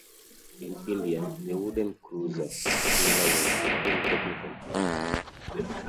In addition, the wooden cruiser "Castilla" was having technical problems.